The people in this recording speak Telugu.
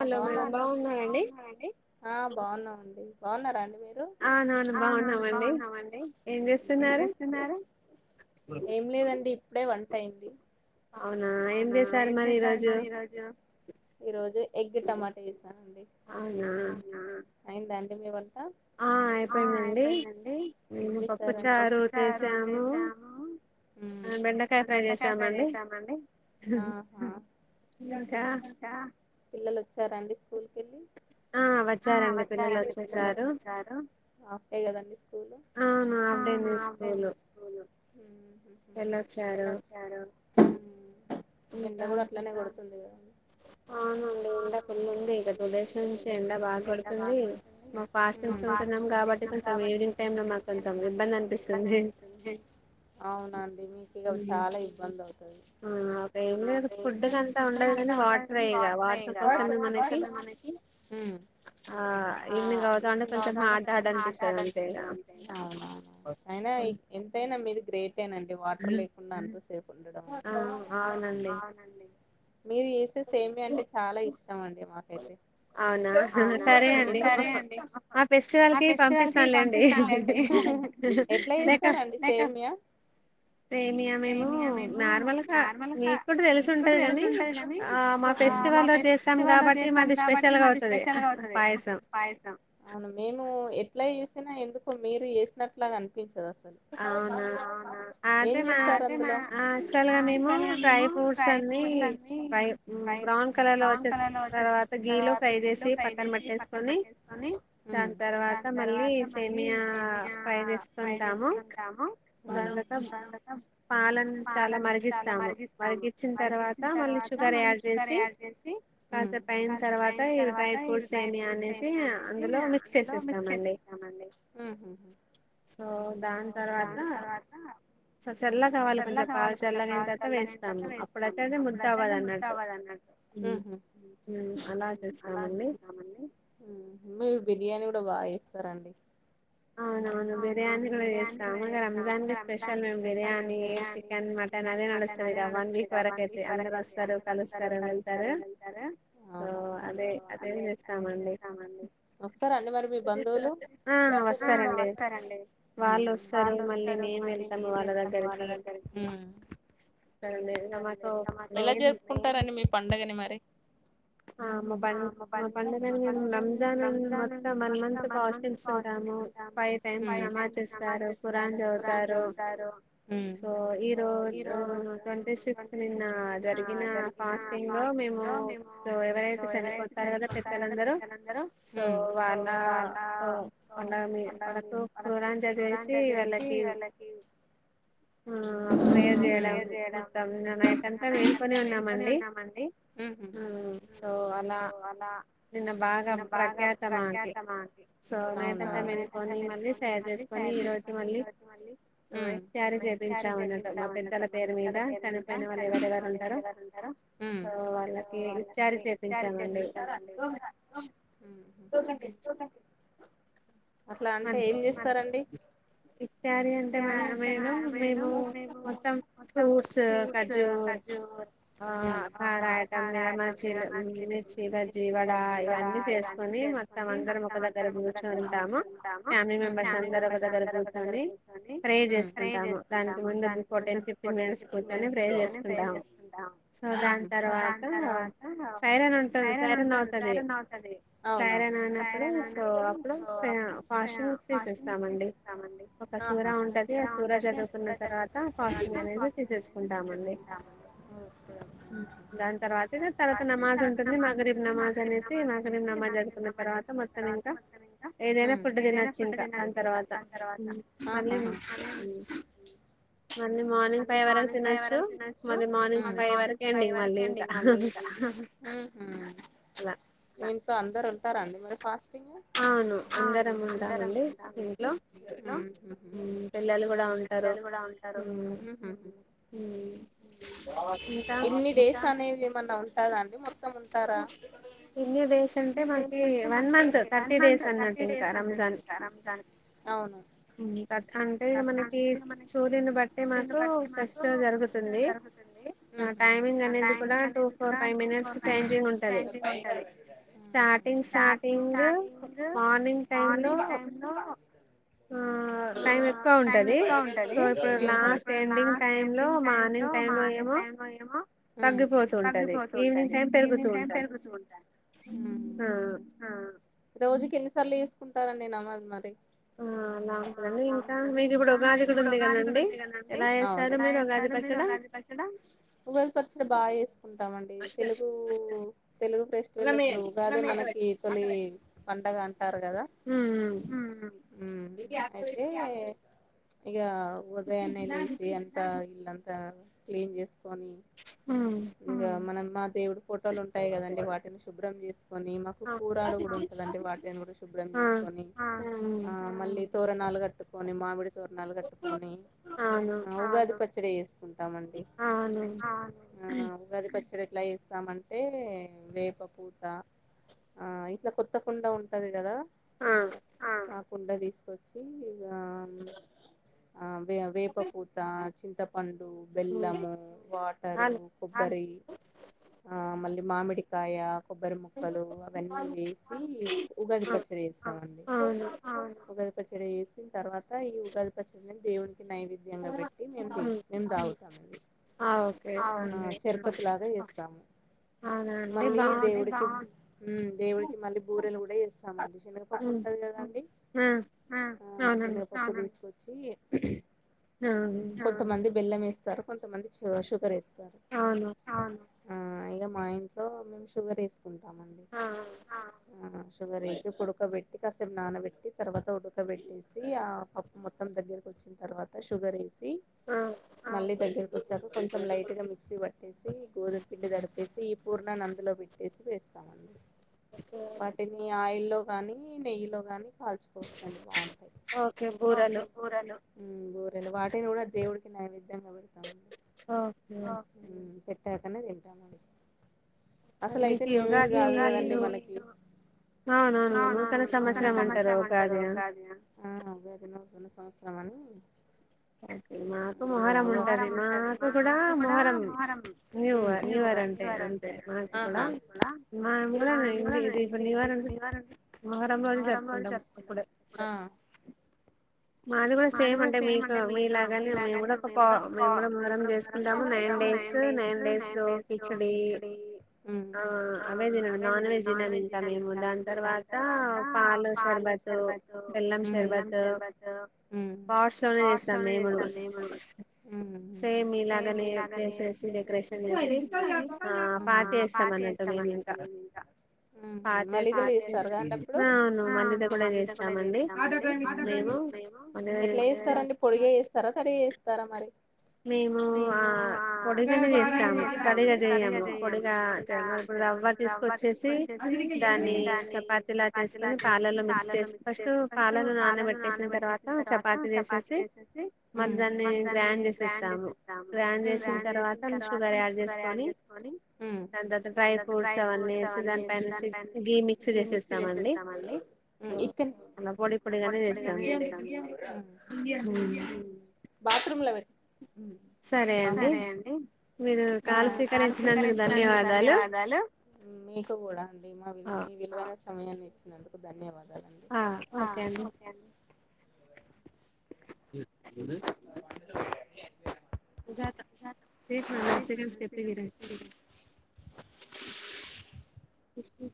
ఆ బాగున్నారా అండి అవునవును బాగున్నామండి ఏం చేస్తున్నారు ఏం లేదండి ఇప్పుడే వంట అయింది అవునా ఏం చేశారు మరి ఈ రోజు ఈ రోజు ఎగ్ టమాటా చేసానండి అండ్ దాంతో అ ఆ అయిపోయిందండి పప్పు చారు చేసాము బెండకాయ ఫ్రై చేసామండి ఆహా పిల్లలు వచ్చారండి స్కూలుకెళ్లి ఆ వచ్చారండి పిల్లలు వచ్చేచ్చారు కంటిన్యూ ఆస్ స్కూలు హ్మ్ ఊహు ఎలా వొచ్చారు ఎండ గుడ అట్లనే కొడుతుంది కదండి ఇక టూ డేస్ నుంచి ఎండ బాగ కొడుతుంది మా ఫస్టింగ్స్ ఉంటన్నాం కాబట్టి కొంచెం వేడి టైమ్ లో మాకు కొంచం ఇబ్బంది అనిపిస్తుంది అవునండి మీకు ఇగ చాలా ఇబ్బంది అవుతుంది అవునా ఉమ్ ఆ ఈవెనింగ్ అవుతా ఉంటే కొంచెం హార్డ్ హార్డ్ అనిపిస్తది అంతే తైయి ఎంతైన మీరూ గ్రేటేనాండి వాటర్ లేకుండా అంత సేప్ ఉండడం ఆవునండి మీరు జేసే సేమ్యా అంటే చాలా ఇష్టం అండి మాకైతే అవునా సరే అండి ఆ ఫెస్టివల్ కి పంపిస్తాన్లేండి ఎట్ల చేస్తారండ సేమ్య సేమియా మేము నార్మల్ నార్మల్గా మీకూడా తెలిసుంటది కాని ఆహ్ మా ఫెస్టివలో రొజ్ జేస్ టం కాబట్టి మది స్పెషల్ గా అవుతది పాయసం ము ఎట్లా చేసినా ఎందుకొ మీరు చేసినట్లాగా అనిపించ ద్ అసలు ఏం చేస్తారు అందులో యాక్చువల్ గా మేము డ్రై ఫ్రూట్స్ అన్ని రై బ్రౌన్ కలర్ లో వచ్చేస్ సిన తర్వాత గీలో ఫ్రై చేసి పక్కన పట్టేసుకొని దాని తర్వాత మళ్ళీ సేమియా ఫ్రై చేసుకుంటాము తర్వాత పాల న్ చాలా మరిగిస్తాము మరిగించిన తర్వాత మళ్ళీ షుగర్ యాడ్ చేసి టైం తర్వాత డ్రై ఫ్రూట్స్ సేమ్యా అనేసి అందులో మిక్స్ చేసిస్తాం అండి ఉహు సో దాంతర్ దాని తర్వాత చల్లాగవాలి కొంచం పాల్ చల్లగైన్ తర్వాత్ వేస్తాము అప్పుడయితే నే ముద్ద అవ్వదు అన్నట్టు ఉమ్ అలా చేస్తామండి అవును బిర్యాని గూడ చేస్తాం ఇగ రంజాన్ కి స్పెషల్ మేమ్ బిర్యానీ చికెన్ మ చికెన్ మటన్ అదే నడుస్తది ఇ వన్ వీక్ వరకు అయితే అందరు వస్తారు కలుస్తారు వెళ్తరు వస్తారండి మరి మీ బంధువులు హా వస్తారండి వాళ్ళు వస్తారు మళ్ళీ మేము వెళ్తాం వాళ్ళ దగ్గరికి యేలా జరుపుకుంటారండి మీర్ పండుగని మరి ఆహ్ మా పన్ మా పండుగని మేము రంజాన్ అ మొత్తం వన్ మంత్ ఫాస్టింగ్స్ ఉంటాము ఫై టైమ్స్ నమాజ్ చెస్తారు ఖురాన్ చదుతారు సో ఈ రో అహ్ ట్వంటీ సిక్త్ నిన్న జరిగిన ఫాస్టింగ్ లో మేము సో ఎవరైతే చనిపోతారు గదా పెద్దలందరూ సో వాళ్ళ కొ అలా మి వాళ్ళకు క్రూరాన్ చదివేసి వాళ్ళకి ఆ అ ప్రే జేయడం మొత్తం నిన్న నైటంతా మేల్కొనే ఉన్నామండి ఆ సో అలా నిన్న బాగా ప్రఖ్యాతమాకి సో నైటంతా మేలుకొని మళ్ళీ సర్ చేసుకొని ఈ రోజ మళ్ళీ ఆ తయారీ చే పించామ అనటం ఉమ్ ఉహు అట్లా అంటే ఏం చేస్తారండి ఇచ్చారి అంటే మ మేడం మేము మొత్తం ఫ్రూట్స్ ఖజూర్ ఆహ్ పారాయటం మా చీల మీర్చీ బజ్జి వడ ఇవన్నీ చేసుకొని మొత్తం అందరం ఒక దగ్గర కూర్చుంటాము ఫ్యామిలీ మెంబర్స్ అందరు ఒక దగ్గర గూర్ ఎమండి ఫ్రై చేసుకుంటాము దానికి మున్ దానికి ముందు బిఫోర్ టెన్ ఫిఫ్టీన్ మినిట్స్ కుర్చొని ప్రేయర్ చేసుకుంటాం సో దాని తర్వాత తా సైరాన్ ఉంటది సైరాన్ అవతది సైరాన్ అయినపుడు సో ఆహా హ హ్ [inaudible] స్డే తర్వాత నమాజ్ ఉంటుంది మగబీర్ నమాజ్ అనేసి మగబీర్ నమాజ్ అనుకున్న తర్వాత మొత్తం ఇంకా ఏదైనా ఫుడ్ తినొచ్చి ఇంకా దాని తర్వాత మళ్ళీ మార్నింగ్ ఫైవ్ వరకు తినొచ్చు మళ్ళీ మార్నింగ్ ఫైవ్ వరకే ఎండింగ్ మళ్ళీ ఇంకా ఉ హ అల ఇంట్లో అందరు ఉంటారా అండి మరి ఫాస్ట్ ఆ అందరం ఉంటామ్ అండి పిల్లలు కూడా ఉంటారు ఇన్ని డేస్ అనేది ఎమన్నా ఉంటాదా ఉంటారా ఇన్ని డేస్ అంటే మాకు వన్ మంత్ థర్టీ డేస్ అన్నది ఇంకా రంజాన్ అవును త అంటే ఇక మనకి సూర్యుని బట్ సూర్యున్ని బట్టి మాకు ఫెస్టివల్ జరుగుతుంది టైమింగ్ అనేది కూడా two four five minutes [unintelligible] starting starting morning time లో ఆ టైం ఎక్కువ ఉంటది సో ఇప్పుడు లాస్ట్ ఎండింగ్ టైమ్ లో మార్నింగ్ టైమ్ లో ఏమో తగ్గిపోతుంటది ఈవినింగ్ టైం పెరుగుతు ఉంట రోజు కేన్నిసార్లు సుకుంటారు అండి నమాజ్ మరి [unintelligible] డి అవును ఎలా చేస్తారు మీరు ఉగాది పచ్చడా ఉగాది పచ్చడ బాగా చేసుకుంటామండి తెలుగు తెలుగు ఫెస్టివల్ అసలు ఉగాదె మనకి తొలి పండగ ఉంటారు కదా ఉమ్ అయితే ఇగ ఉదయాన్నే లేసి అంత ఇల్లంతా క్లీన్ చేస్ ఇంక మనం మా దేవుడు ఫోటోలు ఉంటాయి కదండి వాటిని శుభ్రం చేస్ కోని మాకు కూరాడు కూడా ఉంటదండి వాటిని కూడా శుభ్రం చేసుకొని ఆ మళ్ళీ తోరనాలు కట్టుకొని మామిడి తోరనాలు కట్టుకొని అవునా చ్చడి చేసుకుంటామండి ఆ ఉగాది పచ్చడి ఏట్లా చేస్తాం అంటే వేప పూత ఆ ఇంట్ల కొత్తకుండా ఉంటది కదా ఆ కుండ తీసుకోచ్చి ఇగ వేప పూత చింతపండు బెల్లము వాటరు కొబ్బరి ఆ మళ్ళీ మామిడికాయ కొబ్బరి ముక్కలు అవన్నీ వేసి ఉగాది పచ్చడి చేస్తాం అండి ఉగాది పచ్చడి చేసిన్ తర్వాత ఈ ఉగాది పచ్చెడిని దేవున్ కి నైవేద్యంగా పెట్టి మేము దే మేము తాగుతాం అండి అవునా ఆ చెర్పతులాగా చేస్తాము మళ్ళీ దేవుడికి ఉమ్ దేవుడికి మళ్ళీ బూరెలు కూడా చేస్తాం అండి శనగపప్పున్ టాది కదండీ ఆ ఆ శనగపప్పు తీసుకొచ్చి ఆ బెల్లం వేస్తారు కొంతమంది షో షుగర్ వేస్తారు అవును ఆ ఇక మా ఇంట్లో మేము షుగర్ వేసుకుంటామండి ఆ షుగరేసి కుడకబట్టి కాసేపు నానబెట్టి తర్వాత ఉడక పెట్టేసి ఆ పప్పు మొత్తం దగ్గరకి వొచ్ చిన తరువాత షుగర్ ఎస్ సీ మళ్ళీ దగ్గరికి వొచ్చాక కొంచెం లైట్ గా మిక్సీ పట్టేసి గోదం పిండి తడిపేసి ఇ పూర్ణ నందులో పెట్టేసి వేస్తామండి వాటిని ఆయిల్ లో గాని నెయ్యి లో గాని కాల్చుకోవచ్చండి బాగుంటాయి హ్మ్ బూరెలు వా దేవుడికి నైవేద్యంగ బేడతామండీ ట్టకనే తింటాం అసలు అయితే న్యూ ఇయర్ కాదు కదండి మనకి అవునవును నూతన సమాచారం అంటారు ఉగాది అం సవసరం అనీ మొహరం ఉంటది మా మాకు కూడ మొహరం [unintelligible] మొహరం రోజు జరుపుకుంటాం మాది కూడ సేమ్ అంటే మీకు మీలాగానే మేము కూడా ఒక పో మేము కూడా మొహరం చేసుకుంటాం నైన్ డేస్ నైన్ డేస్ లో కిచడి అ అవే తిన్ నాన్ వెజ్ తినం ఇంకా మేము దాని తర్వాత పాలు షర్బతు బెల్లం షర్బతు [unintelligible] మేం గూడ సేమ్ మీ లాగనే డ్రెస్ ఏసీ డెరేషన్ చేస్ పటీ వేస్తాం అన్నట్టు ఇంకా హ్మ్ మలిదలు చేస్తారు కదా అండి అపుడు ఎట్ల జేస్తారండి పొడి గా చేస్తారా కర్రి చేస్తార మరి మేము ఆ పొడుగ చేస్తము కర్రి గా చేయము పొడగా [unintelligible] రవ్వ తీసుకొచ్చేసి దాన్ని చపాతిలా చేసుకోని పాలల్లో మిక్స్ చేస్ ఫస్ట్ పాలను నానబట్టేసిన తర్వాత చపాతి చేసేసి మల్ దాన్ని గ్రాండ్ చేసేస్తాను గ్రాండ్ చేసింద తర్వాత షుగర్ యాడ్ చేసుకొని దన్ డ్రై ఫ్రూట్స్ అవన్నీ వేసి దాన్ పై నుంచి గి మిక్స్ చేసేస్తాం అండి న కోడలు ఇప్పుడు ఏమి చేస్తుంది బాత్రూమ్ల వె సరే అండి అ కాల్ స్వీకరించినందుకు ధన్యవాదాలు సమయాన్ని ఇచ్చినందుకు ధన్యవాదాలు ఆ ఒకే అండి [unintelligible] [unintelligible] హ్మ్